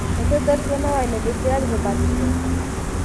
که ته درس ونه وایې نو بېسواده به پاتې شې.